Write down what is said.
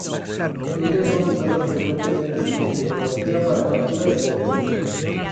Ellas son usadas frecuentemente en tecnología para captura de movimiento.